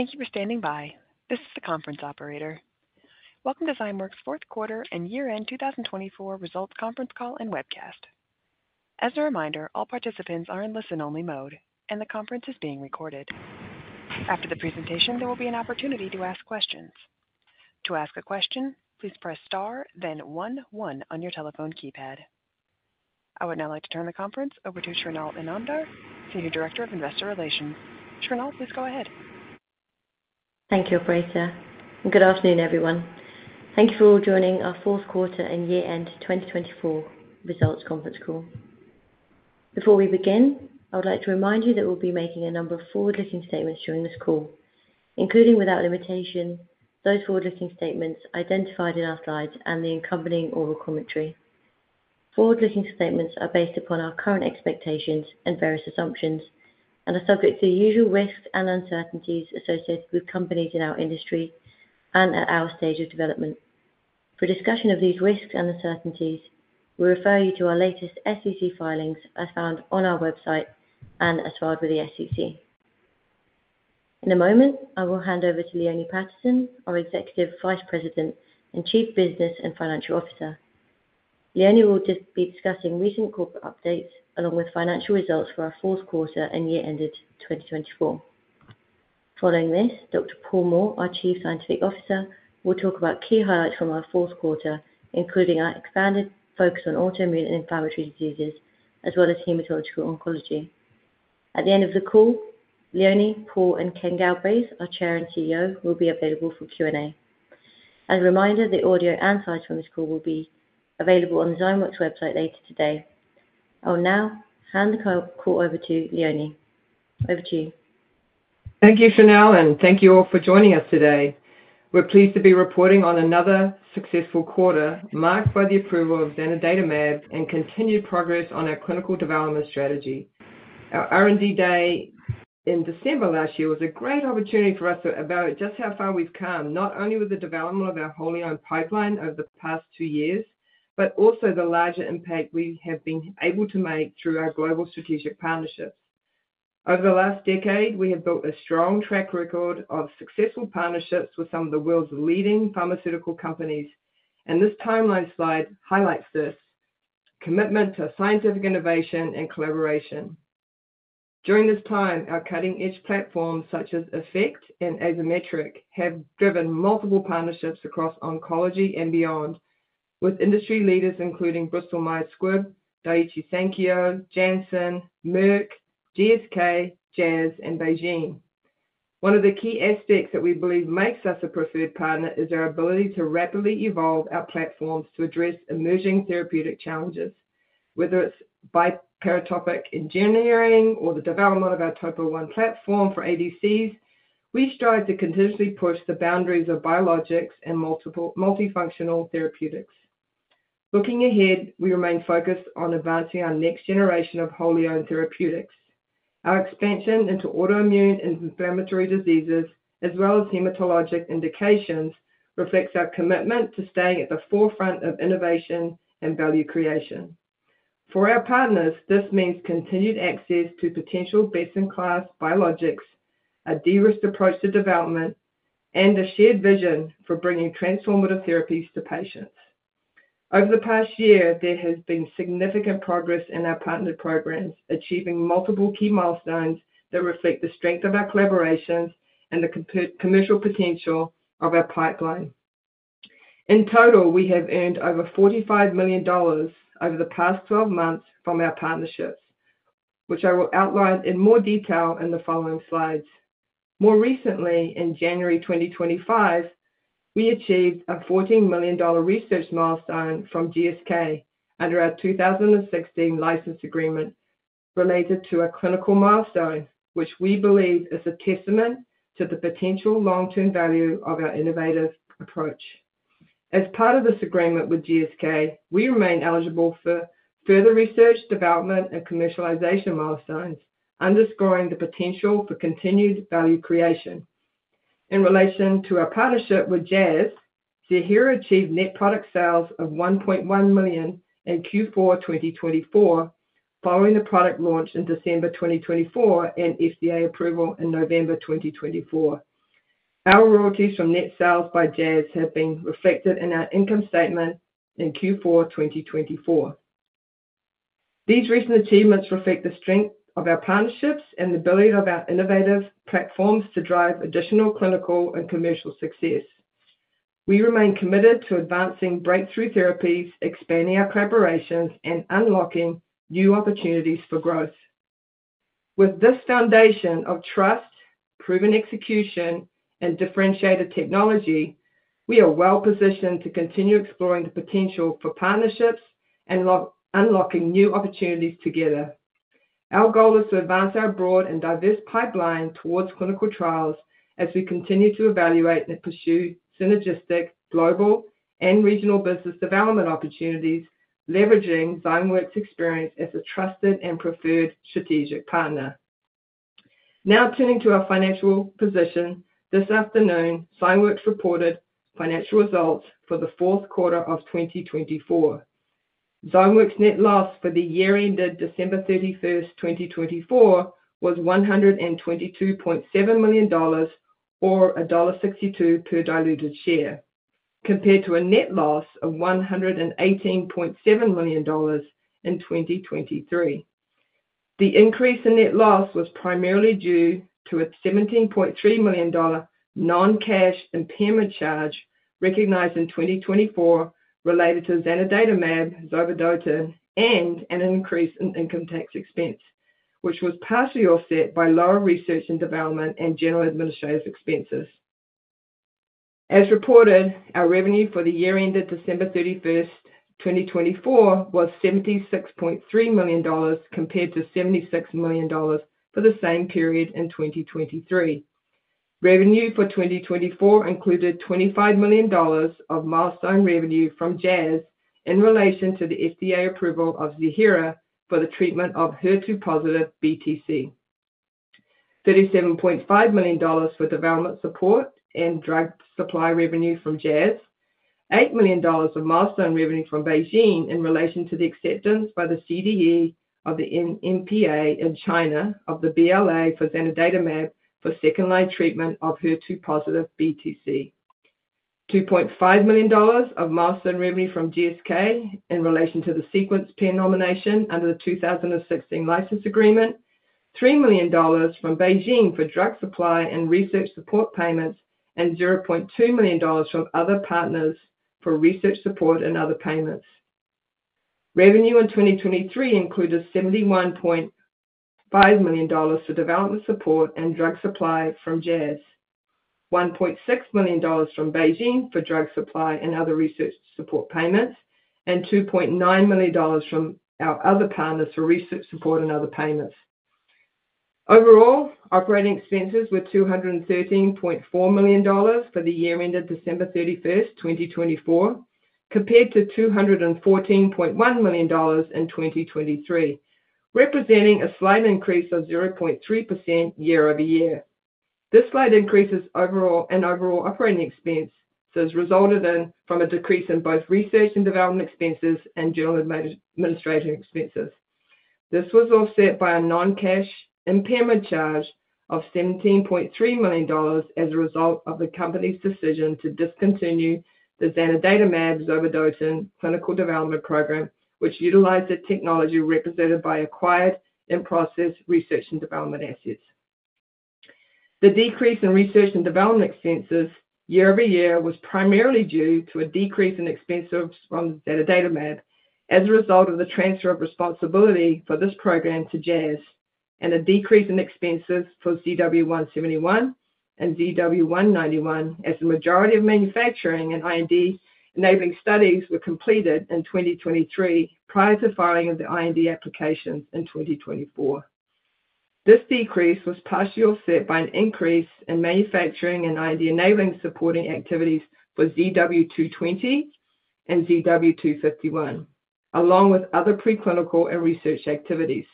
Thank you for standing by. This is the conference operator. Welcome to Zymeworks' Fourth Quarter And Year-end 2024 Results Conference Call And Webcast. As a reminder, all participants are in listen-only mode, and the conference is being recorded. After the presentation, there will be an opportunity to ask questions. To ask a question, please press star, then one one on your telephone keypad. I would now like to turn the conference over to Shrinal Inamdar, Senior Director of Investor Relations. Shrinal, please go ahead. Thank you, Operator. Good afternoon, everyone. Thank you for all joining our Fourth Quarter And Year-end 2024 Results Conference Call. Before we begin, I would like to remind you that we'll be making a number of forward-looking statements during this call, including without limitation, those forward-looking statements identified in our slides and the accompanying oral commentary. Forward-looking statements are based upon our current expectations and various assumptions and are subject to the usual risks and uncertainties associated with companies in our industry and at our stage of development. For discussion of these risks and uncertainties, we refer you to our latest SEC filings as found on our website and as filed with the SEC. In a moment, I will hand over to Leone Patterson, our Executive Vice President and Chief Business and Financial Officer. Leonie will be discussing recent corporate updates along with financial results for our fourth quarter and year-ended 2024. Following this, Dr. Paul Moore, our Chief Scientific Officer, will talk about key highlights from our fourth quarter, including our expanded focus on autoimmune and inflammatory diseases, as well as hematological oncology. At the end of the call, Leone, Paul, and Kenneth Galbraith, our Chair and CEO, will be available for Q&A. As a reminder, the audio and slides from this call will be available on the Zymeworks website later today. I will now hand the call over to Leonie. Over to you. Thank you, Shrinal, and thank you all for joining us today. We're pleased to be reporting on another successful quarter marked by the approval of zanidatamab and continued progress on our clinical development strategy. Our R&D day in December last year was a great opportunity for us to evaluate just how far we've come, not only with the development of our wholly-owned pipeline over the past two years, but also the larger impact we have been able to make through our global strategic partnerships. Over the last decade, we have built a strong track record of successful partnerships with some of the world's leading pharmaceutical companies, and this timeline slide highlights this commitment to scientific innovation and collaboration. During this time, our cutting-edge platforms such as Effect and Azymetric have driven multiple partnerships across oncology and beyond, with industry leaders including Bristol Myers Squibb, Daiichi Sankyo, Janssen, Merck, GSK, Jazz, and BeiGene. One of the key aspects that we believe makes us a preferred partner is our ability to rapidly evolve our platforms to address emerging therapeutic challenges. Whether it's by paratopic engineering or the development of our TOPO1 platform for ADCs, we strive to continuously push the boundaries of biologics and multifunctional therapeutics. Looking ahead, we remain focused on advancing our next generation of wholly-owned therapeutics. Our expansion into autoimmune and inflammatory diseases, as well as hematologic indications, reflects our commitment to staying at the forefront of innovation and value creation. For our partners, this means continued access to potential best-in-class biologics, a de-risked approach to development, and a shared vision for bringing transformative therapies to patients. Over the past year, there has been significant progress in our partnered programs, achieving multiple key milestones that reflect the strength of our collaborations and the commercial potential of our pipeline. In total, we have earned over $45 million over the past 12 months from our partnerships, which I will outline in more detail in the following slides. More recently, in January 2025, we achieved a $14 million research milestone from GSK under our 2016 license agreement related to a clinical milestone, which we believe is a testament to the potential long-term value of our innovative approach. As part of this agreement with GSK, we remain eligible for further research, development, and commercialization milestones, underscoring the potential for continued value creation. In relation to our partnership with Jazz Pharmaceuticals, Zymeworks achieved net product sales of $1.1 million in Q4 2024, following the product launch in December 2024 and FDA approval in November 2024. Our royalties from net sales by Jazz have been reflected in our income statement in Q4 2024. These recent achievements reflect the strength of our partnerships and the ability of our innovative platforms to drive additional clinical and commercial success. We remain committed to advancing breakthrough therapies, expanding our collaborations, and unlocking new opportunities for growth. With this foundation of trust, proven execution, and differentiated technology, we are well positioned to continue exploring the potential for partnerships and unlocking new opportunities together. Our goal is to advance our broad and diverse pipeline towards clinical trials as we continue to evaluate and pursue synergistic global and regional business development opportunities, leveraging Zymeworks' experience as a trusted and preferred strategic partner. Now, turning to our financial position, this afternoon, Zymeworks reported financial results for the fourth quarter of 2024. Zymeworks' net loss for the year-ended December 31, 2024, was $122.7 million, or $1.62 per diluted share, compared to a net loss of $118.7 million in 2023. The increase in net loss was primarily due to a $17.3 million non-cash impairment charge recognized in 2024 related to zanidatamab, Zymeworks, and an increase in income tax expense, which was partially offset by lower research and development and general administrative expenses. As reported, our revenue for the year-ended December 31, 2024, was $76.3 million, compared to $76 million for the same period in 2023. Revenue for 2024 included $25 million of milestone revenue from Jazz in relation to the FDA approval of Zymeworks for the treatment of HER2-positive BTC, $37.5 million for development support and drug supply revenue from Jazz, $8 million of milestone revenue from BeiGene in relation to the acceptance by the CDE of the NMPA in China of the BLA for zanidatamab for second-line treatment of HER2-positive BTC, $2.5 million of milestone revenue from GSK in relation to the sequence pair nomination under the 2016 license agreement, $3 million from BeiGene for drug supply and research support payments, and $0.2 million from other partners for research support and other payments. Revenue in 2023 included $71.5 million for development support and drug supply from Jazz, $1.6 million from BeiGene for drug supply and other research support payments, and $2.9 million from our other partners for research support and other payments. Overall, operating expenses were $213.4 million for the year ended December 31, 2024, compared to $214.1 million in 2023, representing a slight increase of 0.3% year over year. This slight increase in overall operating expenses resulted from a decrease in both research and development expenses and general administrative expenses. This was offset by a non-cash impairment charge of $17.3 million as a result of the company's decision to discontinue the zanidatamab zovodotin clinical development program, which utilized the technology represented by acquired and processed research and development assets. The decrease in research and development expenses year over year was primarily due to a decrease in expenses from zanidatamab as a result of the transfer of responsibility for this program to Jazz and a decrease in expenses for ZW171 and ZW191 as the majority of manufacturing and IND enabling studies were completed in 2023 prior to filing of the IND applications in 2024. This decrease was partially offset by an increase in manufacturing and IND enabling supporting activities for ZW220 and ZW251, along with other preclinical and research activities.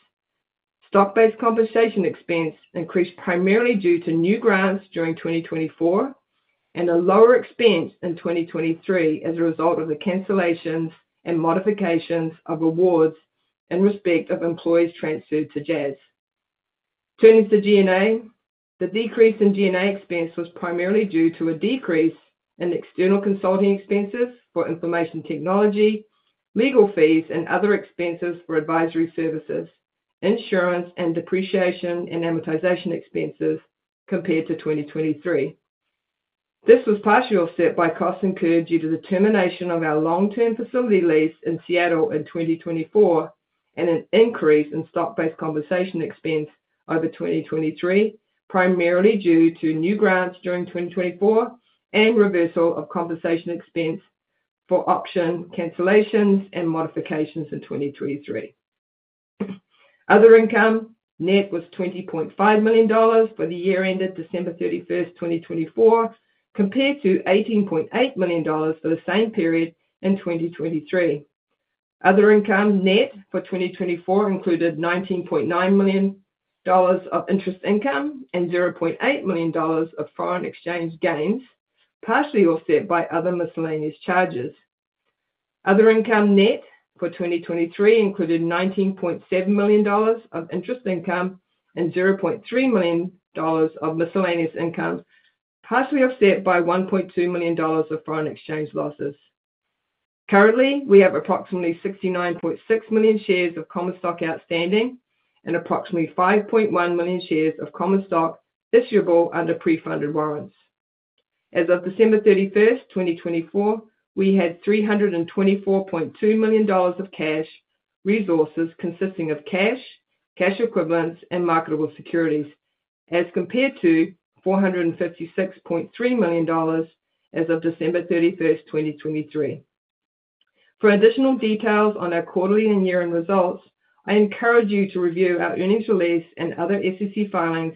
Stock-based compensation expense increased primarily due to new grants during 2024 and a lower expense in 2023 as a result of the cancellations and modifications of awards in respect of employees transferred to Jazz. Turning to G&A, the decrease in G&A expense was primarily due to a decrease in external consulting expenses for information technology, legal fees, and other expenses for advisory services, insurance, and depreciation and amortization expenses compared to 2023. This was partially offset by costs incurred due to the termination of our long-term facility lease in Seattle in 2024 and an increase in stock-based compensation expense over 2023, primarily due to new grants during 2024 and reversal of compensation expense for option cancellations and modifications in 2023. Other income net was $20.5 million for the year-ended December 31, 2024, compared to $18.8 million for the same period in 2023. Other income net for 2024 included $19.9 million of interest income and $0.8 million of foreign exchange gains, partially offset by other miscellaneous charges. Other income net for 2023 included $19.7 million of interest income and $0.3 million of miscellaneous income, partially offset by $1.2 million of foreign exchange losses. Currently, we have approximately 69.6 million shares of Common Stock outstanding and approximately 5.1 million shares of Common Stock issuable under pre-funded warrants. As of December 31, 2024, we had $324.2 million of cash resources consisting of cash, cash equivalents, and marketable securities, as compared to $456.3 million as of December 31, 2023. For additional details on our quarterly and year-end results, I encourage you to review our earnings release and other SEC filings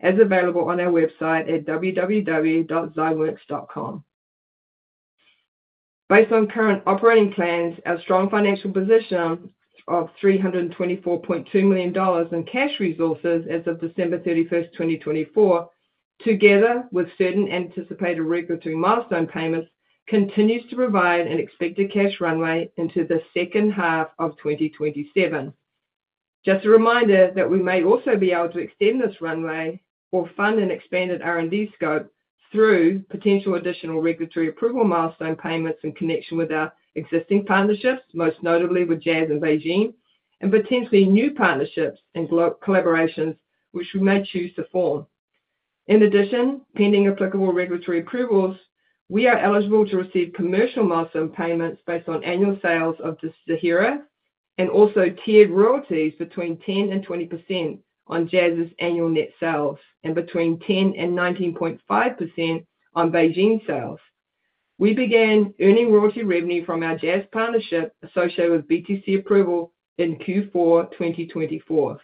as available on our website at www.zymeworks.com. Based on current operating plans, our strong financial position of $324.2 million in cash resources as of December 31, 2024, together with certain anticipated regulatory milestone payments, continues to provide an expected cash runway into the second half of 2027. Just a reminder that we may also be able to extend this runway or fund an expanded R&D scope through potential additional regulatory approval milestone payments in connection with our existing partnerships, most notably with Jazz in BeiGene, and potentially new partnerships and collaborations which we may choose to form. In addition, pending applicable regulatory approvals, we are eligible to receive commercial milestone payments based on annual sales of Zymeworks and also tiered royalties between 10% and 20% on Jazz 's annual net sales and between 10% and 19.5% on BeiGene's sales. We began earning royalty revenue from our Jazz partnership associated with BTC approval in Q4 2024.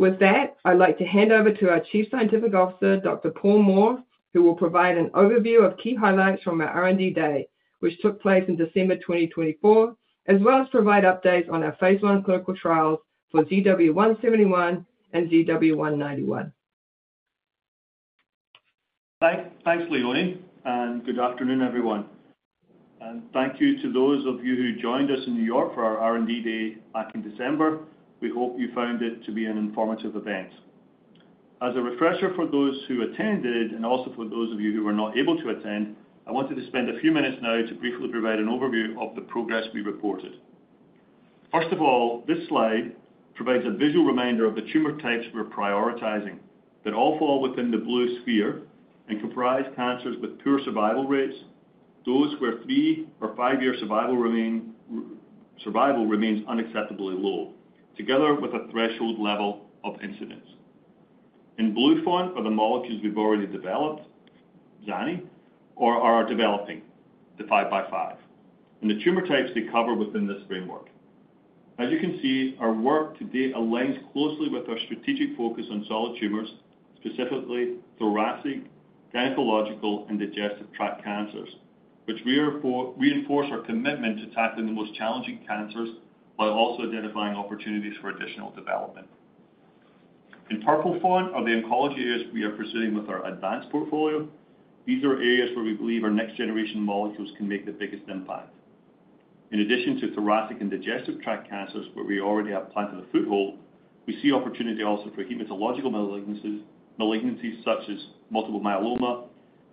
With that, I'd like to hand over to our Chief Scientific Officer, Dr.Paul Moore, who will provide an overview of key highlights from our R&D day, which took place in December 2024, as well as provide updates on our phase 1 clinical trials for ZW171 and ZW191. Thanks, Leonie, and good afternoon, everyone. Thank you to those of you who joined us in New York for our R&D day back in December. We hope you found it to be an informative event. As a refresher for those who attended and also for those of you who were not able to attend, I wanted to spend a few minutes now to briefly provide an overview of the progress we reported. First of all, this slide provides a visual reminder of the tumor types we're prioritizing that all fall within the blue sphere and comprise cancers with poor survival rates, those where three or five-year survival remains unacceptably low, together with a threshold level of incidence. In blue font are the molecules we've already developed ZANI, or are developing the five by five, and the tumor types they cover within this framework. As you can see, our work to date aligns closely with our strategic focus on solid tumors, specifically thoracic, gynecological, and digestive tract cancers, which reinforce our commitment to tackling the most challenging cancers while also identifying opportunities for additional development. In purple font are the oncology areas we are pursuing with our advanced portfolio. These are areas where we believe our next-generation molecules can make the biggest impact. In addition to thoracic and digestive tract cancers, where we already have planted a foothold, we see opportunity also for hematological malignancies such as multiple myeloma,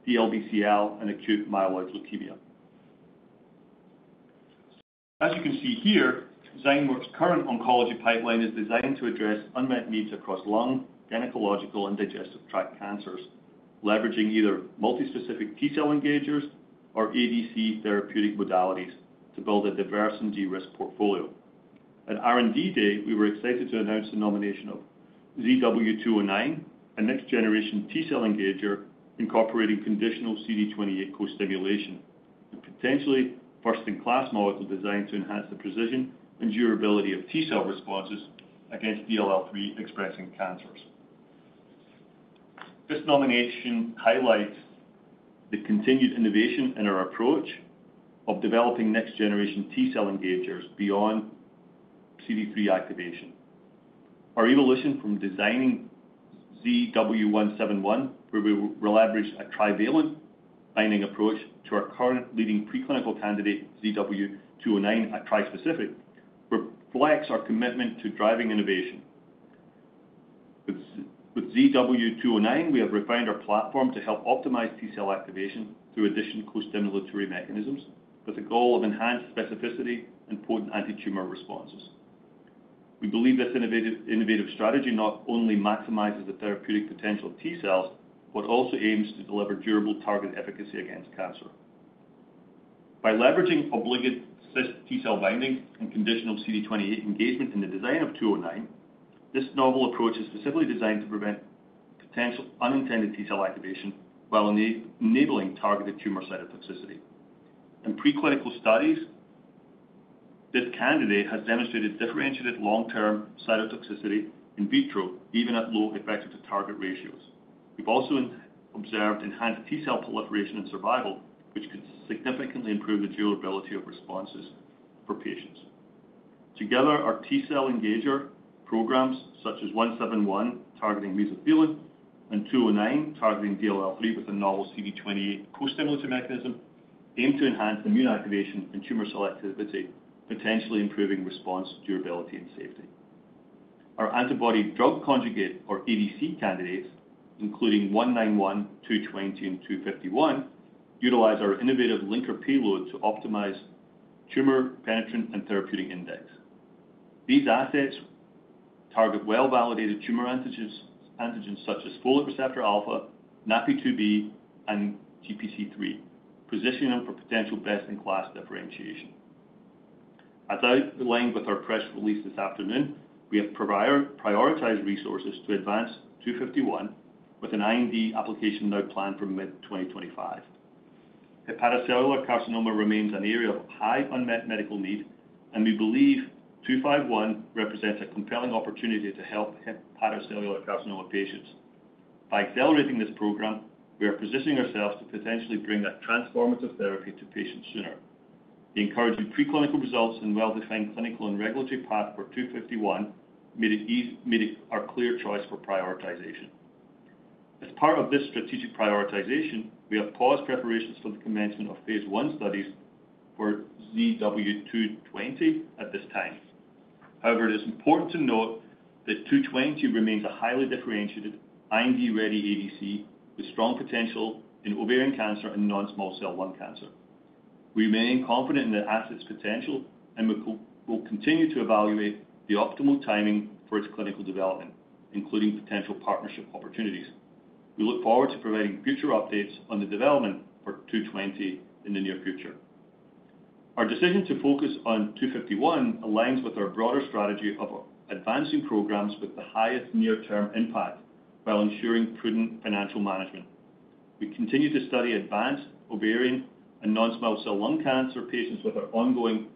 DLBCL, and acute myeloid leukemia. As you can see here, Zymeworks' current oncology pipeline is designed to address unmet needs across lung, gynecological, and digestive tract cancers, leveraging either multispecific T-cell engagers or ADC therapeutic modalities to build a diverse and de-risk portfolio. At R&D day, we were excited to announce the nomination of ZW209, a next-generation T-cell engager incorporating conditional CD28 co-stimulation, a potentially first-in-class molecule designed to enhance the precision and durability of T-cell responses against DLL3-expressing cancers. This nomination highlights the continued innovation in our approach of developing next-generation T-cell engagers beyond CD3 activation. Our evolution from designing ZW171, where we leveraged a trivalent binding approach to our current leading preclinical candidate, ZW209, a trispecific, reflects our commitment to driving innovation. With ZW209, we have refined our platform to help optimize T-cell activation through additional co-stimulatory mechanisms with the goal of enhanced specificity and potent anti-tumor responses. We believe this innovative strategy not only maximizes the therapeutic potential of T-cells but also aims to deliver durable target efficacy against cancer. By leveraging obligate cis T-cell binding and conditional CD28 engagement in the design of 209, this novel approach is specifically designed to prevent potential unintended T-cell activation while enabling targeted tumor cytotoxicity. In preclinical studies, this candidate has demonstrated differentiated long-term cytotoxicity in vitro, even at low effector-to-target ratios. We've also observed enhanced T-cell proliferation and survival, which can significantly improve the durability of responses for patients. Together, our T-cell engager programs, such as 171 targeting mesothelin, and 209 targeting DLL3 with a novel CD28 co-stimulator mechanism, aim to enhance immune activation and tumor selectivity, potentially improving response durability and safety. Our antibody-drug conjugate, or ADC, candidates, including 191, 220, and 251, utilize our innovative linker payload to optimize tumor penetrance and therapeutic index. These assets target well-validated tumor antigens such as folate receptor alpha, NaPi2b, and GPC3, positioning them for potential best-in-class differentiation. As outlined with our press release this afternoon, we have prioritized resources to advance 251 with an IND application now planned for mid-2025. Hepatocellular carcinoma remains an area of high unmet medical need, and we believe 251 represents a compelling opportunity to help hepatocellular carcinoma patients. By accelerating this program, we are positioning ourselves to potentially bring that transformative therapy to patients sooner. The encouraging preclinical results and well-defined clinical and regulatory path for 251 made it our clear choice for prioritization. As part of this strategic prioritization, we have paused preparations for the commencement of phase 1 studies for ZW220 at this time. However, it is important to note that ZW220 remains a highly differentiated IND-ready ADC with strong potential in ovarian cancer and non-small cell lung cancer. We remain confident in the asset's potential and will continue to evaluate the optimal timing for its clinical development, including potential partnership opportunities. We look forward to providing future updates on the development for ZW220 in the near future. Our decision to focus on ZW251 aligns with our broader strategy of advancing programs with the highest near-term impact while ensuring prudent financial management. We continue to study advanced ovarian and non-small cell lung cancer patients with our ongoing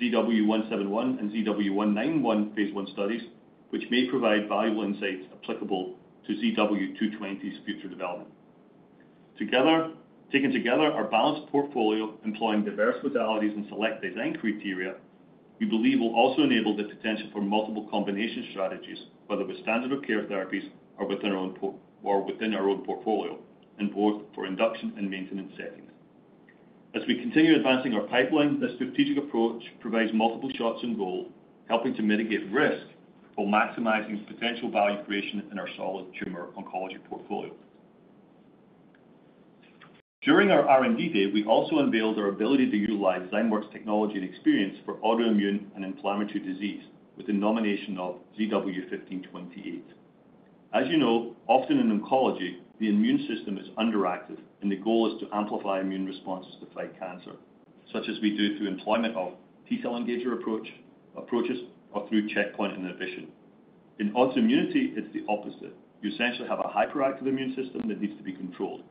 ZW171 and ZW191 phase 1 studies, which may provide valuable insights applicable to ZW220's future development. Together, taking together our balanced portfolio, employing diverse modalities and select design criteria, we believe will also enable the potential for multiple combination strategies, whether with standard of care therapies or within our own portfolio and both for induction and maintenance settings. As we continue advancing our pipeline, the strategic approach provides multiple shots in goal, helping to mitigate risk while maximizing potential value creation in our solid tumor oncology portfolio. During our R&D day, we also unveiled our ability to utilize Zymeworks technology and experience for autoimmune and inflammatory disease with the nomination of ZW1528. As you know, often in oncology, the immune system is underactive and the goal is to amplify immune responses to fight cancer, such as we do through employment of T-cell engager approaches or through checkpoint inhibition. In autoimmunity, it's the opposite. You essentially have a hyperactive immune system that needs to be controlled.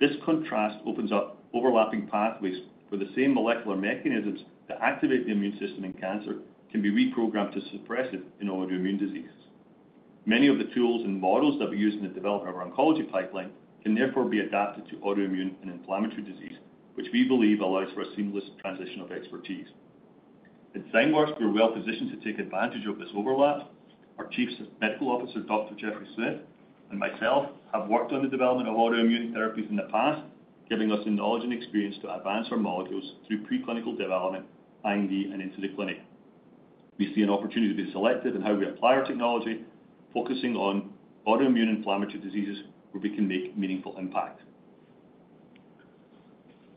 This contrast opens up overlapping pathways for the same molecular mechanisms that activate the immune system in cancer can be reprogrammed to suppress it in autoimmune diseases. Many of the tools and models that we use in the development of our oncology pipeline can therefore be adapted to autoimmune and inflammatory disease, which we believe allows for a seamless transition of expertise. At Zymeworks, we're well positioned to take advantage of this overlap. Our Chief Medical Officer, Dr. Jeffrey Smith, and myself have worked on the development of autoimmune therapies in the past, giving us the knowledge and experience to advance our modules through preclinical development, IND, and into the clinic. We see an opportunity to be selective in how we apply our technology, focusing on autoimmune inflammatory diseases where we can make meaningful impact.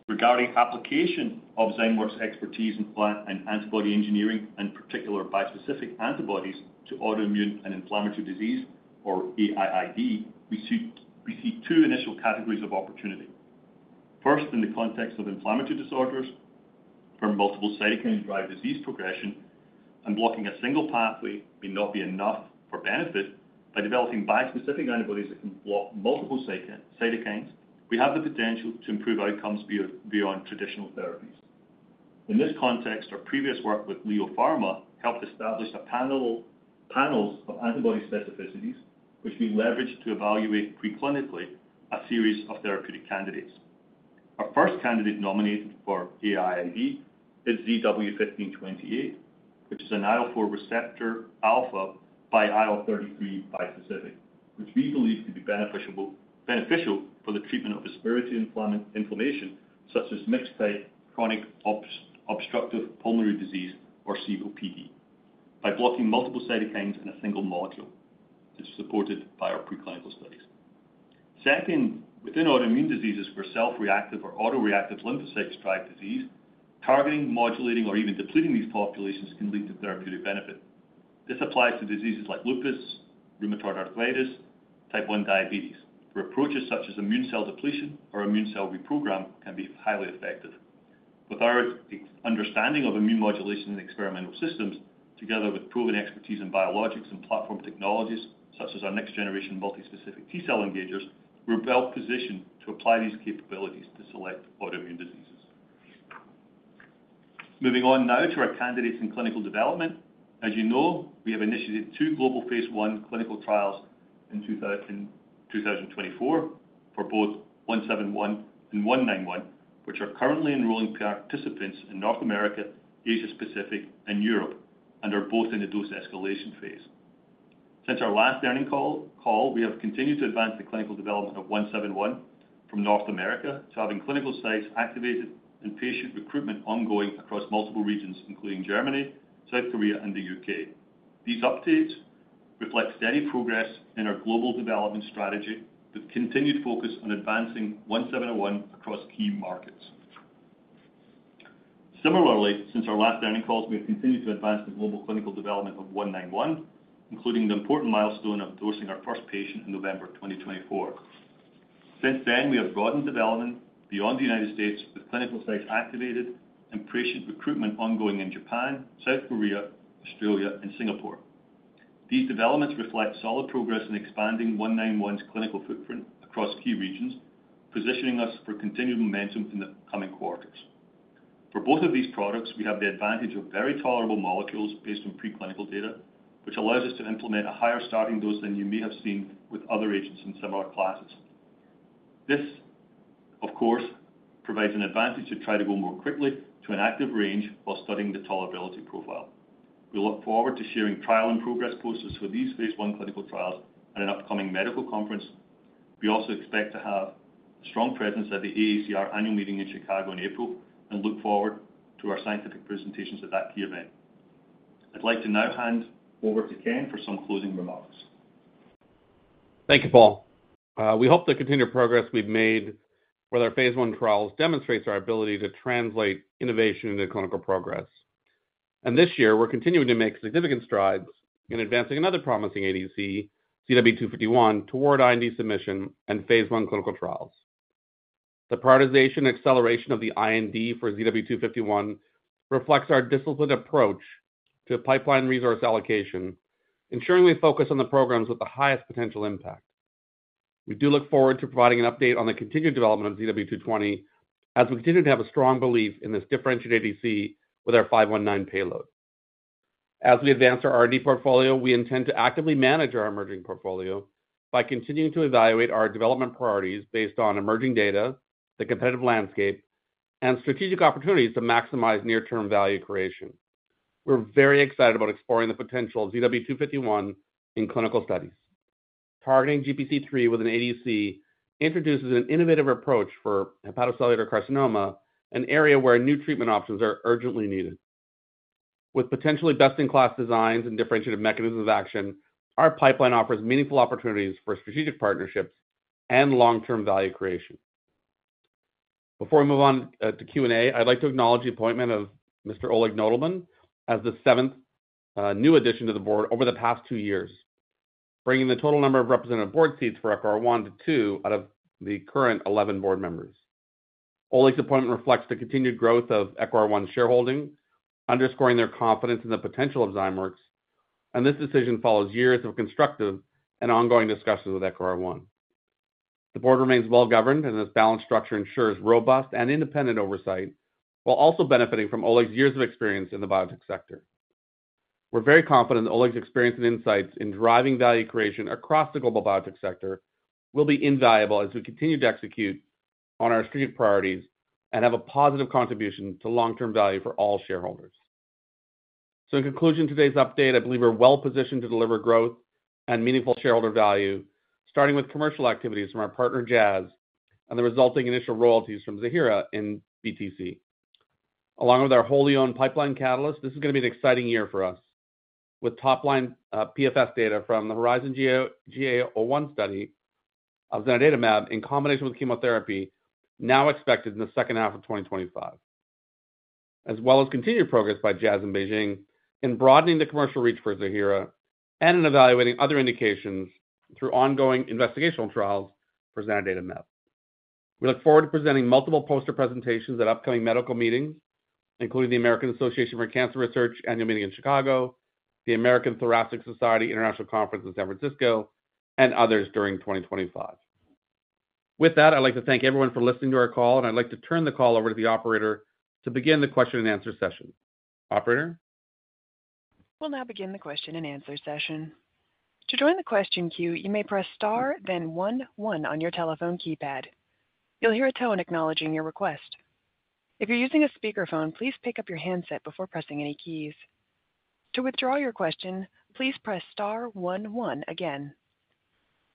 Regarding application of Zymeworks' expertise in plant and antibody engineering, and particularly bispecific antibodies to autoimmune and inflammatory disease, or AIID, we see two initial categories of opportunity. First, in the context of inflammatory disorders for multiple cytokine-derived disease progression, and blocking a single pathway may not be enough for benefit. By developing bispecific antibodies that can block multiple cytokines, we have the potential to improve outcomes beyond traditional therapies. In this context, our previous work with Leo Pharma helped establish a panel of antibody specificities, which we leveraged to evaluate preclinically a series of therapeutic candidates. Our first candidate nominated for AIID is ZW1528, which is an IL-4 receptor alpha by IL-33 bispecific, which we believe to be beneficial for the treatment of respiratory inflammation, such as mixed-type chronic obstructive pulmonary disease or COPD, by blocking multiple cytokines in a single module. This is supported by our preclinical studies. Second, within autoimmune diseases for self-reactive or autoreactive lymphocyte-derived disease, targeting, modulating, or even depleting these populations can lead to therapeutic benefit. This applies to diseases like lupus, rheumatoid arthritis, and type 1 diabetes. For approaches such as immune cell depletion or immune cell reprogram can be highly effective. With our understanding of immune modulation in experimental systems, together with proven expertise in biologics and platform technologies such as our next-generation multispecific T-cell engagers, we're well positioned to apply these capabilities to select autoimmune diseases. Moving on now to our candidates in clinical development. As you know, we have initiated two global phase I clinical trials in 2024 for both 171 and 191, which are currently enrolling participants in North America, Asia-Pacific, and Europe, and are both in the dose escalation phase. Since our last learning call, we have continued to advance the clinical development of 171 from North America to having clinical sites activated and patient recruitment ongoing across multiple regions, including Germany, South Korea, and the U.K. These updates reflect steady progress in our global development strategy with continued focus on advancing 171 across key markets. Similarly, since our last learning calls, we have continued to advance the global clinical development of 191, including the important milestone of endorsing our first patient in November 2024. Since then, we have broadened development beyond the United States with clinical sites activated and patient recruitment ongoing in Japan, South Korea, Australia, and Singapore. These developments reflect solid progress in expanding 191's clinical footprint across key regions, positioning us for continued momentum in the coming quarters. For both of these products, we have the advantage of very tolerable molecules based on preclinical data, which allows us to implement a higher starting dose than you may have seen with other agents in similar classes. This, of course, provides an advantage to try to go more quickly to an active range while studying the tolerability profile. We look forward to sharing trial and progress posters for these phase I clinical trials at an upcoming medical conference. We also expect to have a strong presence at the AACR annual meeting in Chicago in April and look forward to our scientific presentations at that key event. I'd like to now hand over to Ken for some closing remarks. Thank you, Paul. We hope the continued progress we've made with our phase 1 trials demonstrates our ability to translate innovation into clinical progress. This year, we're continuing to make significant strides in advancing another promising ADC, ZW251, toward IND submission and phase I clinical trials. The prioritization and acceleration of the IND for ZW251 reflects our disciplined approach to pipeline resource allocation, ensuring we focus on the programs with the highest potential impact. We do look forward to providing an update on the continued development of ZW220 as we continue to have a strong belief in this differentiated ADC with our 519 payload. As we advance our R&D portfolio, we intend to actively manage our emerging portfolio by continuing to evaluate our development priorities based on emerging data, the competitive landscape, and strategic opportunities to maximize near-term value creation. We're very excited about exploring the potential of ZW251 in clinical studies. Targeting GPC3 with an ADC introduces an innovative approach for hepatocellular carcinoma, an area where new treatment options are urgently needed. With potentially best-in-class designs and differentiated mechanisms of action, our pipeline offers meaningful opportunities for strategic partnerships and long-term value creation. Before we move on to Q&A, I'd like to acknowledge the appointment of Mr. Oleg Nodelman as the seventh new addition to the board over the past two years, bringing the total number of representative board seats for ECOR1 to 2 out of the current 11 board members. Oleg's appointment reflects the continued growth of ECOR1's shareholding, underscoring their confidence in the potential of Zymeworks. This decision follows years of constructive and ongoing discussions with ECOR1. The board remains well-governed, and this balanced structure ensures robust and independent oversight while also benefiting from Oleg's years of experience in the biotech sector. We're very confident that Oleg's experience and insights in driving value creation across the global biotech sector will be invaluable as we continue to execute on our strategic priorities and have a positive contribution to long-term value for all shareholders. In conclusion of today's update, I believe we're well-positioned to deliver growth and meaningful shareholder value, starting with commercial activities from our partner Jazz and the resulting initial royalties from Ziihera in BTC. Along with our wholly-owned pipeline catalyst, this is going to be an exciting year for us, with top-line PFS data from the Horizon GA01 study of zanidatamab in combination with chemotherapy now expected in the second half of 2025, as well as continued progress by Jazz and BeiGene in broadening the commercial reach for Ziihera and in evaluating other indications through ongoing investigational trials for zanidatamab. We look forward to presenting multiple poster presentations at upcoming medical meetings, including the American Association for Cancer Research annual meeting in Chicago, the American Thoracic Society International Conference in San Francisco, and others during 2025. With that, I'd like to thank everyone for listening to our call, and I'd like to turn the call over to the operator to begin the question-and-answer session. Operator? We'll now begin the question-and-answer session. To join the question queue, you may press star, then one-one on your telephone keypad. You'll hear a tone acknowledging your request. If you're using a speakerphone, please pick up your handset before pressing any keys. To withdraw your question, please press star, one-one again.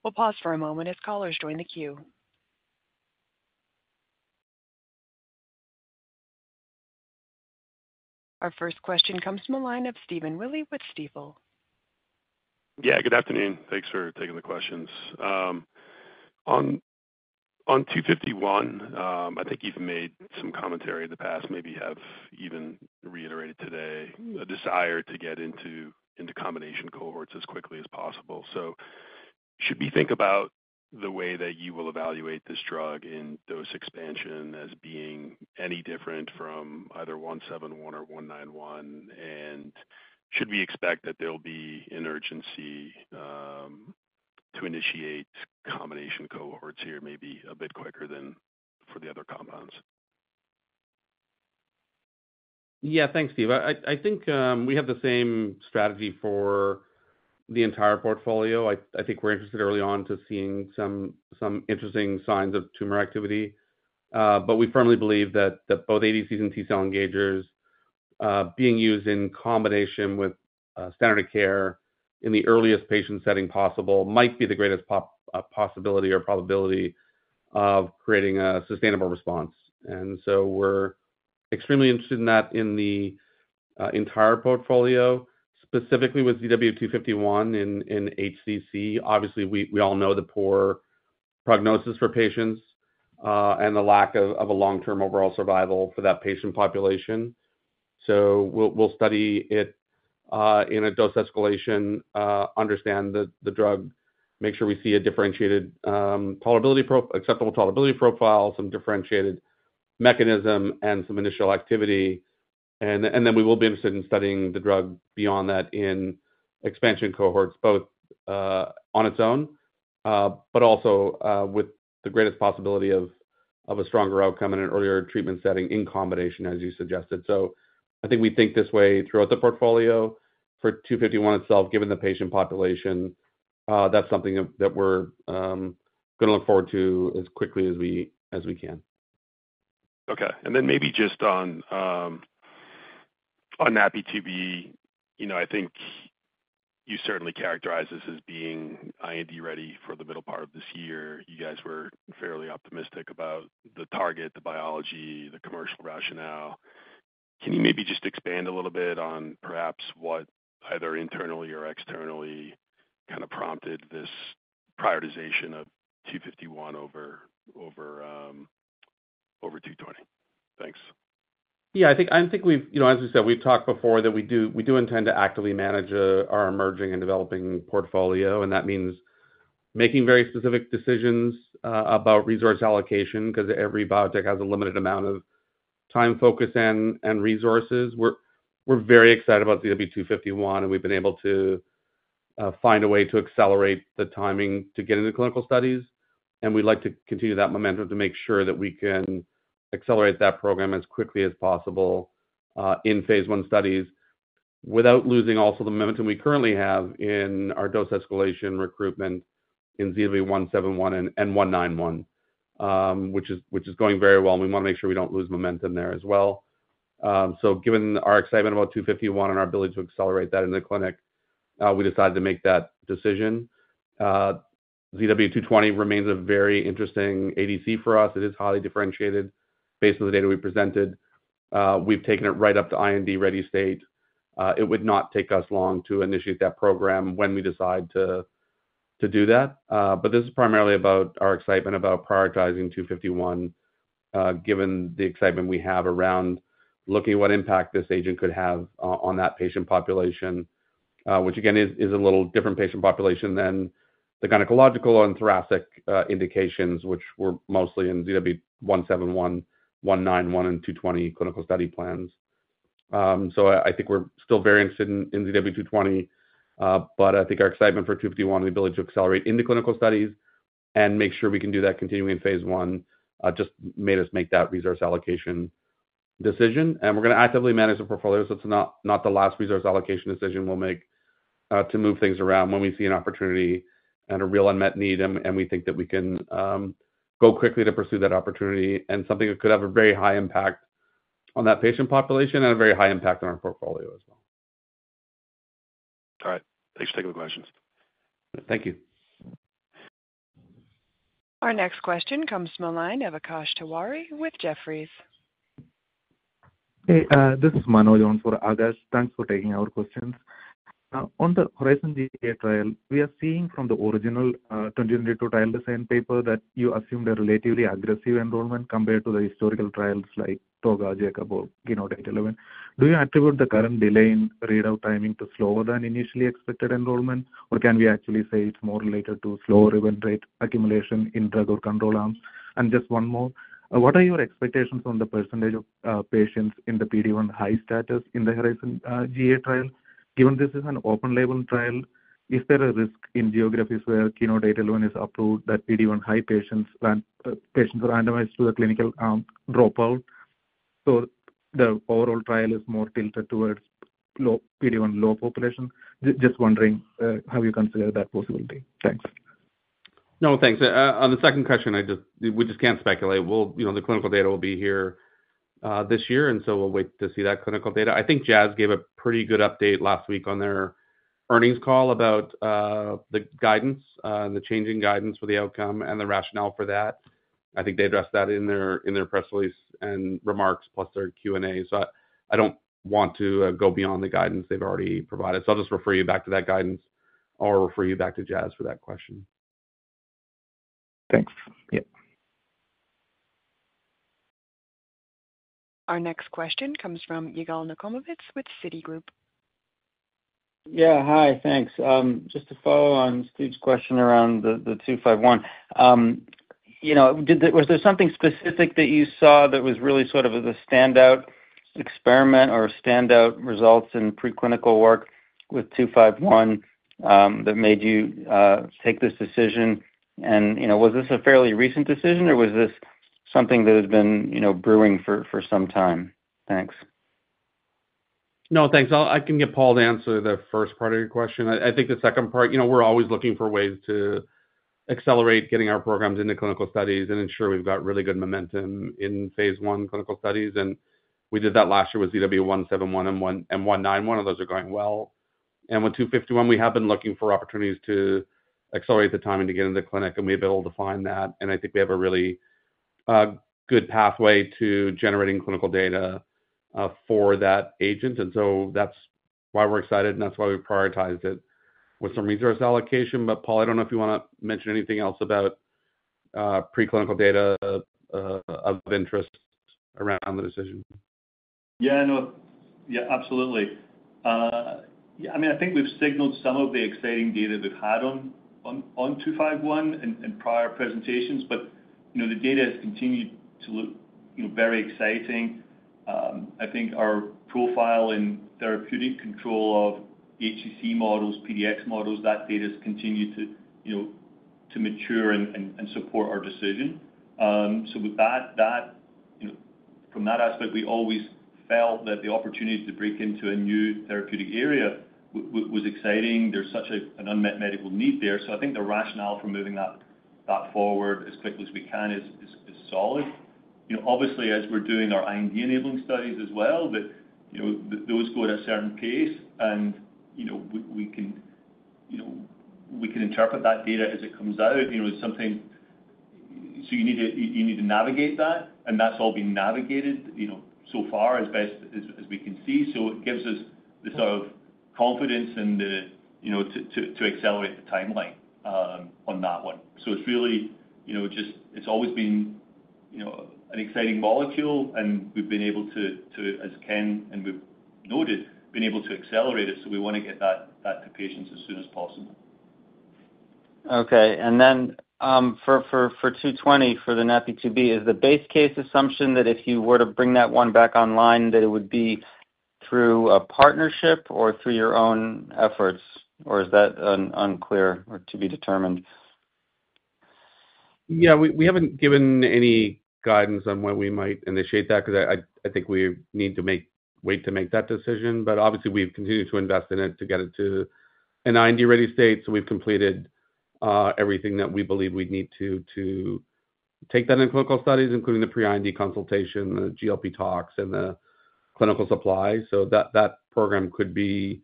We'll pause for a moment as callers join the queue. Our first question comes from a line of Stephen Willie with Stifel. Yeah, good afternoon. Thanks for taking the questions. On 251, I think you've made some commentary in the past, maybe have even reiterated today, a desire to get into combination cohorts as quickly as possible. Should we think about the way that you will evaluate this drug in dose expansion as being any different from either 171 or 191, and should we expect that there'll be an urgency to initiate combination cohorts here maybe a bit quicker than for the other compounds? Yeah, thanks, Steve. I think we have the same strategy for the entire portfolio. I think we're interested early on to seeing some interesting signs of tumor activity. We firmly believe that both ADCs and T-cell engagers being used in combination with standard of care in the earliest patient setting possible might be the greatest possibility or probability of creating a sustainable response. We're extremely interested in that in the entire portfolio, specifically with ZW251 in HCC. Obviously, we all know the poor prognosis for patients and the lack of a long-term overall survival for that patient population. We will study it in a dose escalation, understand the drug, make sure we see a differentiated acceptable tolerability profile, some differentiated mechanism, and some initial activity. We will be interested in studying the drug beyond that in expansion cohorts, both on its own, but also with the greatest possibility of a stronger outcome in an earlier treatment setting in combination, as you suggested. I think we think this way throughout the portfolio for 251 itself, given the patient population, that's something that we're going to look forward to as quickly as we can. Okay. Maybe just on NaPi2b, I think you certainly characterize this as being IND-ready for the middle part of this year. You guys were fairly optimistic about the target, the biology, the commercial rationale. Can you maybe just expand a little bit on perhaps what either internally or externally kind of prompted this prioritization of 251 over 220? Thanks. I think we've, as we said, we've talked before that we do intend to actively manage our emerging and developing portfolio. That means making very specific decisions about resource allocation because every biotech has a limited amount of time, focus, and resources. We're very excited about ZW251, and we've been able to find a way to accelerate the timing to get into clinical studies. We'd like to continue that momentum to make sure that we can accelerate that program as quickly as possible in phase 1 studies without losing also the momentum we currently have in our dose escalation recruitment in ZW171 and ZW191, which is going very well. We want to make sure we don't lose momentum there as well. Given our excitement about ZW251 and our ability to accelerate that in the clinic, we decided to make that decision. ZW220 remains a very interesting ADC for us. It is highly differentiated based on the data we presented. We've taken it right up to IND-ready state. It would not take us long to initiate that program when we decide to do that. This is primarily about our excitement about prioritizing 251, given the excitement we have around looking at what impact this agent could have on that patient population, which, again, is a little different patient population than the gynecological and thoracic indications, which were mostly in ZW171, 191, and 220 clinical study plans. I think we're still very interested in ZW220, but I think our excitement for 251 and the ability to accelerate into clinical studies and make sure we can do that continuing in phase I just made us make that resource allocation decision. We're going to actively manage the portfolio. It is not the last resource allocation decision we will make to move things around when we see an opportunity and a real unmet need, and we think that we can go quickly to pursue that opportunity and something that could have a very high impact on that patient population and a very high impact on our portfolio as well. All right. Thanks for taking the questions. Thank you. Our next question comes from a line of Akash Tewari with Jefferies. Hey, this is Manuel on for Akash. Thanks for taking our questions. On the Horizon GA trial, we are seeing from the original 2022 trial design paper that you assumed a relatively aggressive enrollment compared to the historical trials like TOGA, JACOB, and KEYNOTE-811. Do you attribute the current delay in readout timing to slower than initially expected enrollment, or can we actually say it's more related to slower event rate accumulation in drug or control arms? Just one more, what are your expectations on the percentage of patients in the PD1 high status in the Horizon GA trial? Given this is an open-label trial, is there a risk in geographies where keynoter data alone is approved that PD1 high patients randomized to the clinical arm dropout? The overall trial is more tilted towards PD1 low population. Just wondering how you consider that possibility. Thanks. No, thanks. On the second question, we just can't speculate. The clinical data will be here this year, and we will wait to see that clinical data. I think Jazz gave a pretty good update last week on their earnings call about the guidance and the changing guidance for the outcome and the rationale for that. I think they addressed that in their press release and remarks, plus their Q&A. I do not want to go beyond the guidance they have already provided. I will just refer you back to that guidance or refer you back to Jazz for that question. Thanks. Yep. Our next question comes fromYigal Nochomovitz with Citigroup. Yeah, hi. Thanks. Just to follow on Steve's question around the 251, was there something specific that you saw that was really sort of the standout experiment or standout results in preclinical work with 251 that made you take this decision? And was this a fairly recent decision, or was this something that had been brewing for some time? Thanks. No, thanks. I can give Paul to answer the first part of your question. I think the second part, we're always looking for ways to accelerate getting our programs into clinical studies and ensure we've got really good momentum in phase I clinical studies. We did that last year with ZW171 and 191, and those are going well. With 251, we have been looking for opportunities to accelerate the timing to get into clinic, and we've been able to find that. I think we have a really good pathway to generating clinical data for that agent. That is why we're excited, and that is why we prioritized it with some resource allocation. Paul, I don't know if you want to mention anything else about preclinical data of interest around the decision. Yeah, no. Yeah, absolutely. I mean, I think we've signaled some of the exciting data we've had on 251 in prior presentations, but the data has continued to look very exciting. I think our profile in therapeutic control of HCC models, PDX models, that data has continued to mature and support our decision. From that aspect, we always felt that the opportunity to break into a new therapeutic area was exciting. There's such an unmet medical need there. I think the rationale for moving that forward as quickly as we can is solid. Obviously, as we're doing our IND enabling studies as well, those go at a certain pace, and we can interpret that data as it comes out. You need to navigate that, and that's all been navigated so far as best as we can see. It gives us the sort of confidence to accelerate the timeline on that one. It's really just it's always been an exciting molecule, and we've been able to, as Ken and we've noted, been able to accelerate it. We want to get that to patients as soon as possible. Okay. For 220, for the NaPi2b, is the base case assumption that if you were to bring that one back online, that it would be through a partnership or through your own efforts, or is that unclear or to be determined? Yeah, we haven't given any guidance on when we might initiate that because I think we need to wait to make that decision. Obviously, we've continued to invest in it to get it to an IND-ready state. We've completed everything that we believe we need to take that in clinical studies, including the pre-IND consultation, the GLP tox, and the clinical supply. That program could be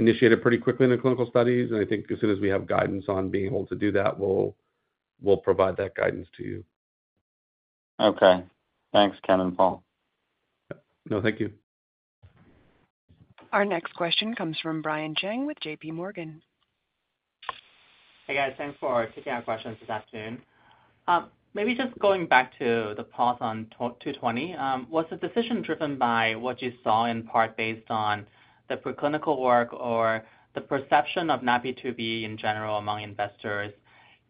initiated pretty quickly in the clinical studies. I think as soon as we have guidance on being able to do that, we'll provide that guidance to you. Okay. Thanks, Ken and Paul. No, thank you. Our next question comes from Brian Chang with J.P. Morgan. Hey, guys. Thanks for taking our questions this afternoon. Maybe just going back to the pause on 220, was the decision driven by what you saw in part based on the preclinical work or the perception of NaPi2b in general among investors?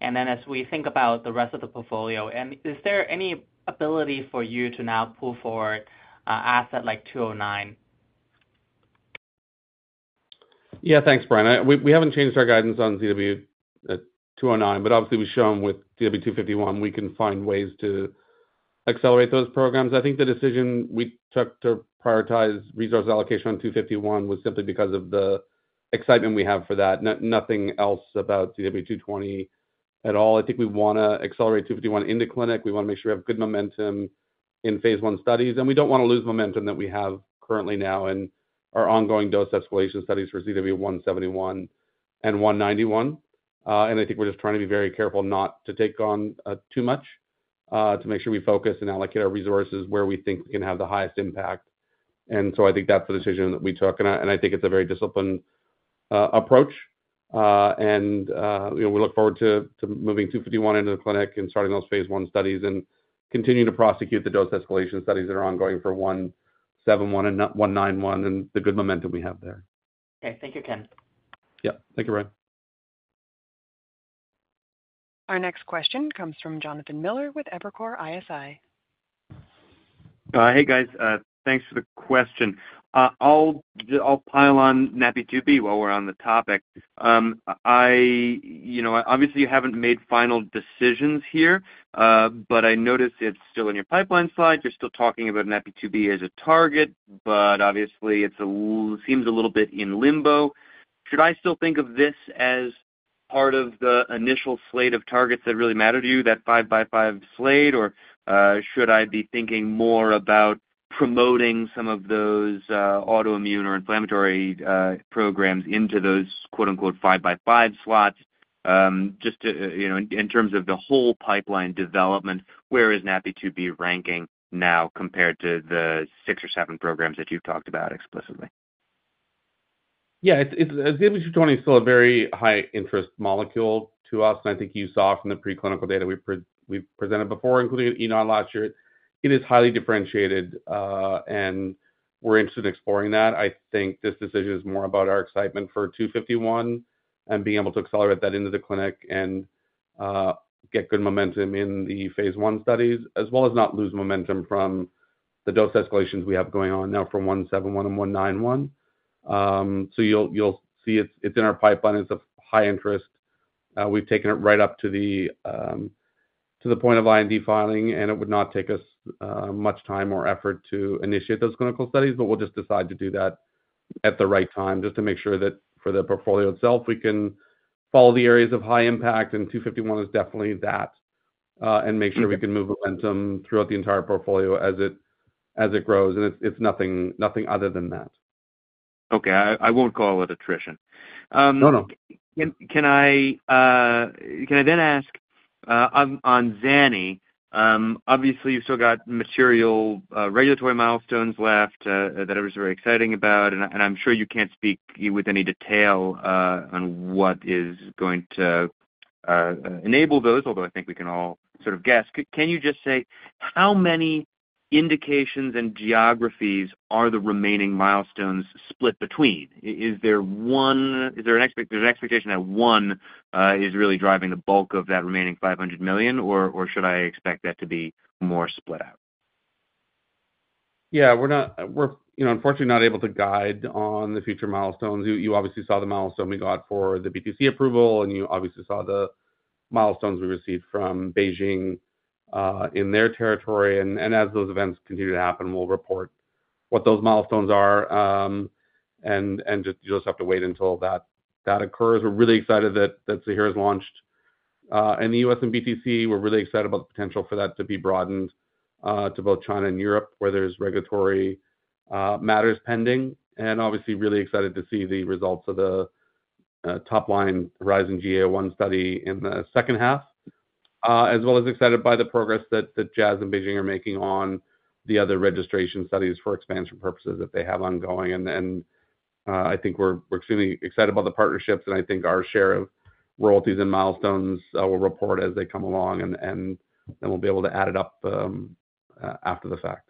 As we think about the rest of the portfolio, is there any ability for you to now pull forward asset like 209? Yeah, thanks, Brian. We haven't changed our guidance on ZW209, but obviously, we show them with ZW251, we can find ways to accelerate those programs. I think the decision we took to prioritize resource allocation on 251 was simply because of the excitement we have for that. Nothing else about ZW220 at all. I think we want to accelerate 251 into clinic. We want to make sure we have good momentum in phase 1 studies. We don't want to lose momentum that we have currently now in our ongoing dose escalation studies for ZW171 and 191. I think we're just trying to be very careful not to take on too much to make sure we focus and allocate our resources where we think we can have the highest impact. I think that's the decision that we took. I think it's a very disciplined approach. We look forward to moving 251 into the clinic and starting those phase 1 studies and continuing to prosecute the dose escalation studies that are ongoing for 171 and 191 and the good momentum we have there. Thank you, Ken. Yep Thank you, Brian. Our next question comes from Jonathan Miller with Evercore ISI. Hey, guys. Thanks for the question. I'll pile on NaPi2b while we're on the topic. Obviously, you haven't made final decisions here, but I noticed it's still in your pipeline slides. You're still talking about NaPi2b as a target, but obviously, it seems a little bit in limbo. Should I still think of this as part of the initial slate of targets that really matter to you, that 5x5 slate, or should I be thinking more about promoting some of those autoimmune or inflammatory programs into those "5x5 slots" just in terms of the whole pipeline development? Where is NaPi2b ranking now compared to the six or seven programs that you've talked about explicitly? Yeah, ZW220 is still a very high-interest molecule to us. I think you saw from the preclinical data we've presented before, including last year, it is highly differentiated, and we're interested in exploring that. I think this decision is more about our excitement for 251 and being able to accelerate that into the clinic and get good momentum in the phase I studies, as well as not lose momentum from the dose escalations we have going on now for 171 and 191. You'll see it's in our pipeline. It's of high interest. We've taken it right up to the point of IND filing, and it would not take us much time or effort to initiate those clinical studies, but we'll just decide to do that at the right time just to make sure that for the portfolio itself, we can follow the areas of high impact, and 251 is definitely that, and make sure we can move momentum throughout the entire portfolio as it grows. It's nothing other than that. Okay. I won't call it attrition. No, no. Can I then ask on ZANI? Obviously, you've still got material regulatory milestones left that everyone's very excited about. I'm sure you can't speak with any detail on what is going to enable those, although I think we can all sort of guess. Can you just say how many indications and geographies are the remaining milestones split between? Is there an expectation that one is really driving the bulk of that remaining $500 million, or should I expect that to be more split out? Yeah, we're unfortunately not able to guide on the future milestones. You obviously saw the milestone we got for the BTC approval, and you obviously saw the milestones we received from BeiGene in their territory. As those events continue to happen, we'll report what those milestones are, and you'll just have to wait until that occurs. We're really excited that Ziihera has launched in the U.S. and BTC. We're really excited about the potential for that to be broadened to both China and Europe, where there's regulatory matters pending. Obviously, really excited to see the results of the top-line Horizon GA one study in the second half, as well as excited by the progress that Jazz and BeiGene are making on the other registration studies for expansion purposes that they have ongoing. I think we're extremely excited about the partnerships, and I think our share of royalties and milestones will report as they come along, and then we'll be able to add it up after the fact.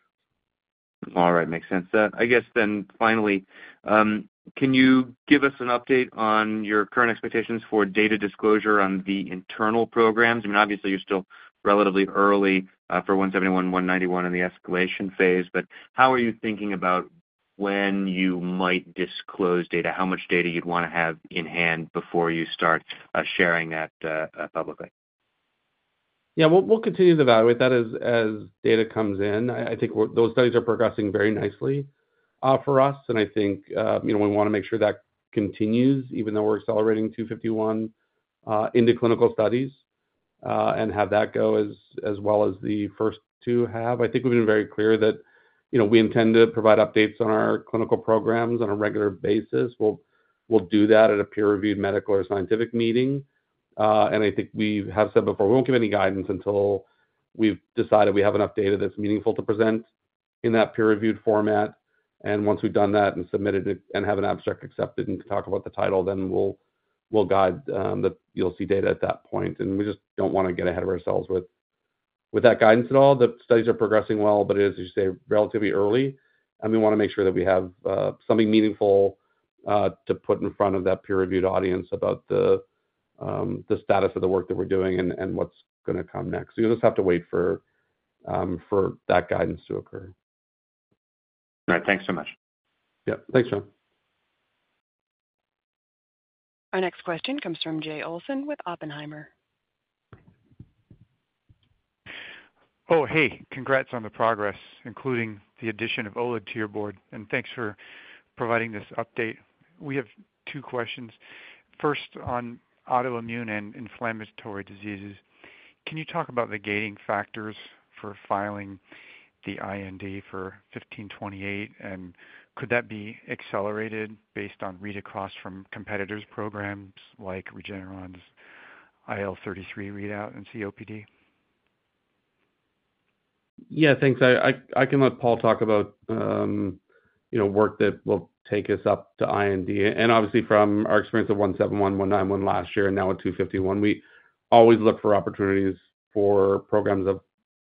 All right. Makes sense. I guess then finally, can you give us an update on your current expectations for data disclosure on the internal programs? I mean, obviously, you're still relatively early for 171, 191 in the escalation phase, but how are you thinking about when you might disclose data, how much data you'd want to have in hand before you start sharing that publicly? Yeah, we'll continue to evaluate that as data comes in. I think those studies are progressing very nicely for us, and I think we want to make sure that continues even though we're accelerating 251 into clinical studies and have that go as well as the first two have. I think we've been very clear that we intend to provide updates on our clinical programs on a regular basis. We'll do that at a peer-reviewed medical or scientific meeting. I think we have said before, we won't give any guidance until we've decided we have enough data that's meaningful to present in that peer-reviewed format. Once we've done that and submitted and have an abstract accepted and can talk about the title, then we'll guide that you'll see data at that point. We just don't want to get ahead of ourselves with that guidance at all. The studies are progressing well, but it is, as you say, relatively early, and we want to make sure that we have something meaningful to put in front of that peer-reviewed audience about the status of the work that we're doing and what's going to come next. You'll just have to wait for that guidance to occur. All right. Thanks so much. Yep. Thanks, John. Our next question comes from Jay Olsen with Oppenheimer. Oh, hey. Congrats on the progress, including the addition of Oleg to your board. Thanks for providing this update. We have two questions. First, on autoimmune and inflammatory diseases, can you talk about the gating factors for filing the IND for 1528, and could that be accelerated based on read across from competitors' programs like Regeneron's IL-33 readout and COPD? Yeah, thanks. I can let Paul talk about work that will take us up to IND. Obviously, from our experience of 171, 191 last year and now with 251, we always look for opportunities for programs of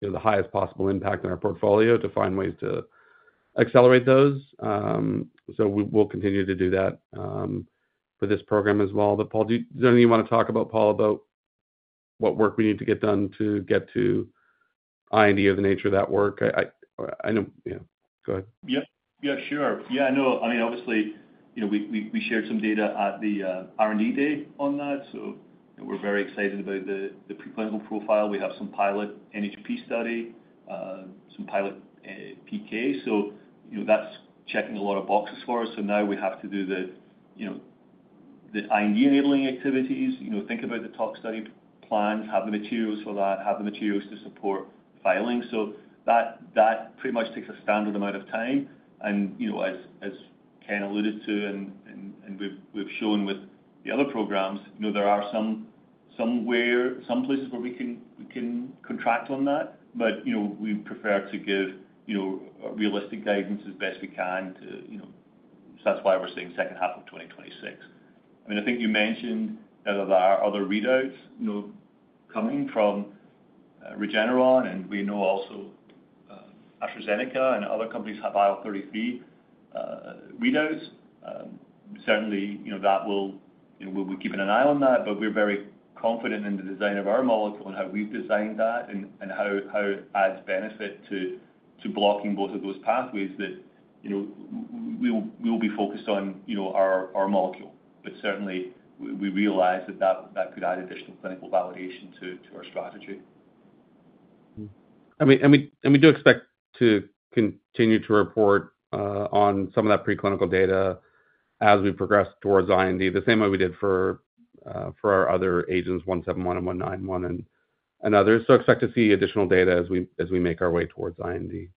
the highest possible impact in our portfolio to find ways to accelerate those. We will continue to do that for this program as well. Paul, do you want to talk about what work we need to get done to get to IND, the nature of that work? I know. Yeah. Go ahead. Yep. Yeah, sure. Yeah, I know. I mean, obviously, we shared some data at the R&D day on that. We are very excited about the preclinical profile. We have some pilot NHP study, some pilot PK. That is checking a lot of boxes for us. Now we have to do the IND enabling activities, think about the tox study plans, have the materials for that, have the materials to support filing. That pretty much takes a standard amount of time. As Ken alluded to and we've shown with the other programs, there are some places where we can contract on that, but we prefer to give realistic guidance as best we can. That's why we're seeing second half of 2026. I mean, I think you mentioned that there are other readouts coming from Regeneron, and we know also AstraZeneca and other companies have IL-33 readouts. Certainly, we will be keeping an eye on that, but we're very confident in the design of our molecule and how we've designed that and how it adds benefit to blocking both of those pathways that we will be focused on our molecule. Certainly, we realize that that could add additional clinical validation to our strategy. I mean, we do expect to continue to report on some of that preclinical data as we progress towards IND the same way we did for our other agents, 171 and 191 and others. Expect to see additional data as we make our way towards IND.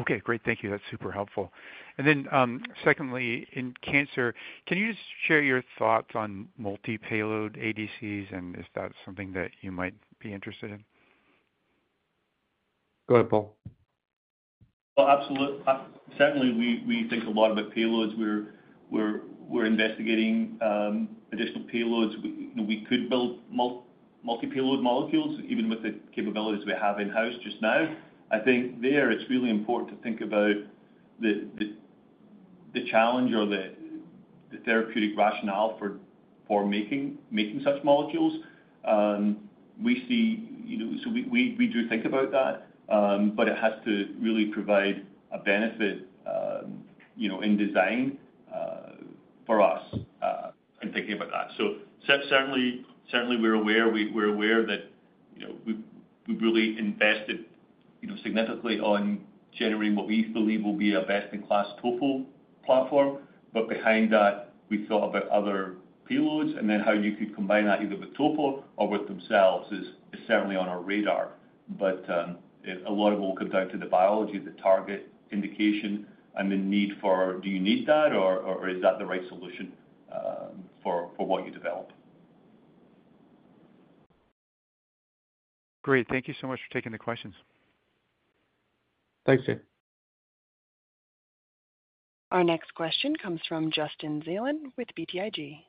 Okay. Great. Thank you. That's super helpful. Secondly, in cancer, can you just share your thoughts on multi-payload ADCs, and is that something that you might be interested in? Go ahead, Paul. Absolutely. Certainly, we think a lot about payloads. We're investigating additional payloads. We could build multi-payload molecules even with the capabilities we have in-house just now. I think there it's really important to think about the challenge or the therapeutic rationale for making such molecules. We see, so we do think about that, but it has to really provide a benefit in design for us in thinking about that. Certainly, we're aware that we've really invested significantly on generating what we believe will be a best-in-class TOPO platform. Behind that, we thought about other payloads, and then how you could combine that either with TOPO or with themselves is certainly on our radar. A lot of it will come down to the biology, the target indication, and the need for, "Do you need that, or is that the right solution for what you develop?" Great. Thank you so much for taking the questions. Thanks, Jay. Our next question comes from Justin Zelin with BTIG.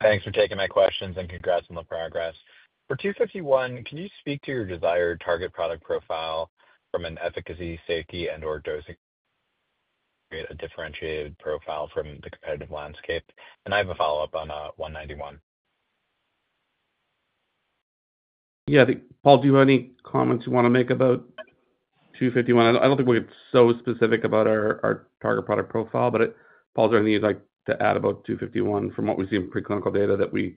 Thanks for taking my questions and congrats on the progress. For 251, can you speak to your desired target product profile from an efficacy, safety, and/or dosing, a differentiated profile from the competitive landscape? I have a follow-up on 191. Yeah. Paul, do you have any comments you want to make about 251? I don't think we're so specific about our target product profile, but Paul, is there anything you'd like to add about 251 from what we've seen in preclinical data that we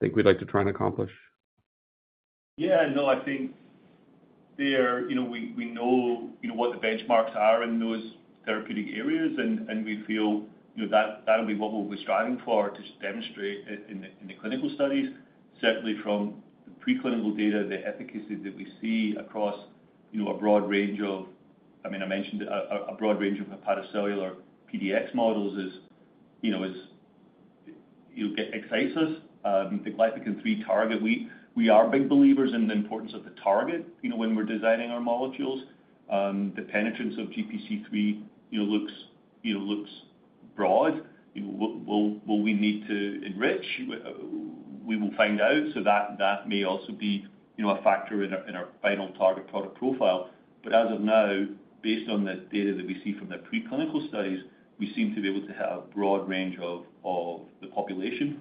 think we'd like to try and accomplish? Yeah. No, I think we know what the benchmarks are in those therapeutic areas, and we feel that'll be what we'll be striving for to demonstrate in the clinical studies. Certainly, from the preclinical data, the efficacy that we see across a broad range of—I mean, I mentioned a broad range of hepatocellular PDX models—is it excites us. The Glypican-3 target, we are big believers in the importance of the target when we're designing our molecules. The penetrance of GPC3 looks broad. Will we need to enrich? We will find out. That may also be a factor in our final target product profile. As of now, based on the data that we see from the preclinical studies, we seem to be able to have a broad range of the population.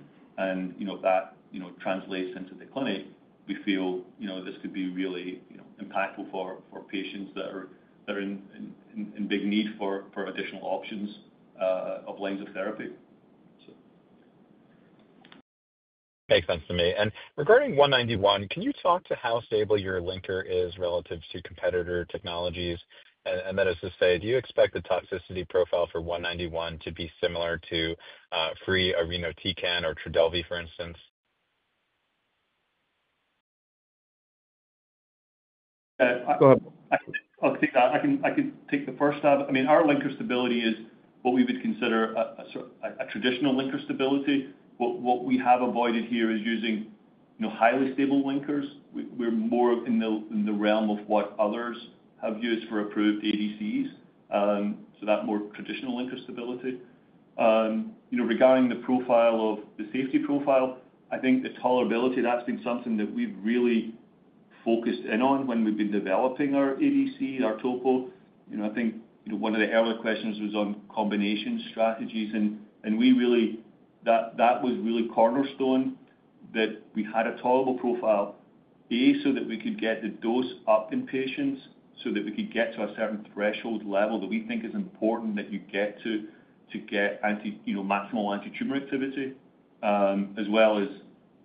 If that translates into the clinic, we feel this could be really impactful for patients that are in big need for additional options of lines of therapy. Makes sense to me. Regarding 191, can you talk to how stable your linker is relative to competitor technologies? That is to say, do you expect the toxicity profile for 191 to be similar to free irinotecan or Trodelvy, for instance? Go ahead. I'll take that. I can take the first step. I mean, our linker stability is what we would consider a traditional linker stability. What we have avoided here is using highly stable linkers. We're more in the realm of what others have used for approved ADCs, so that more traditional linker stability. Regarding the profile of the safety profile, I think the tolerability, that's been something that we've really focused in on when we've been developing our ADC, our TOPO. I think one of the early questions was on combination strategies, and that was really cornerstone that we had a tolerable profile, A, so that we could get the dose up in patients so that we could get to a certain threshold level that we think is important that you get to get maximal anti-tumor activity, as well as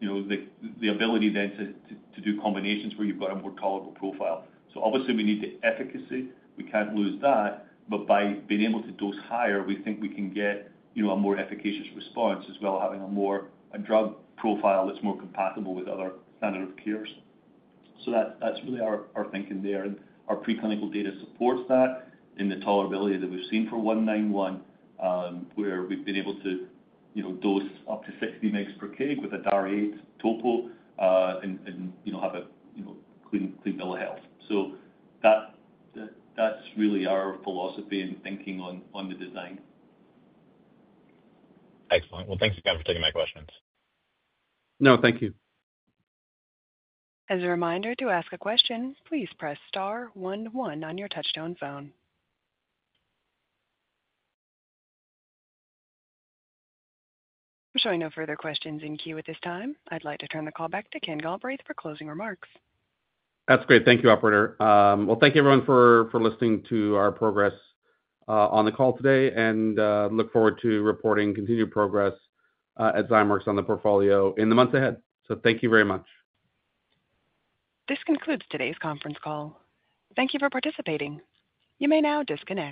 the ability then to do combinations where you've got a more tolerable profile. Obviously, we need the efficacy. We can't lose that. By being able to dose higher, we think we can get a more efficacious response as well as having a drug profile that's more compatible with other standard of cares. That's really our thinking there. Our preclinical data supports that in the tolerability that we've seen for 191, where we've been able to dose up to 60 mg per kg with a DAR8 TOPO and have a clean bill of health. That is really our philosophy and thinking on the design. Excellent. Thanks again for taking my questions. No, thank you. As a reminder, to ask a question, please press star one -one on your touchstone phone. I'm showing no further questions in queue at this time. I would like to turn the call back to Ken Galbraith for closing remarks. That is great. Thank you, Operator. Thank you, everyone, for listening to our progress on the call today, and look forward to reporting continued progress at Zymeworks on the portfolio in the months ahead. Thank you very much. This concludes today's conference call. Thank you for participating. You may now disconnect.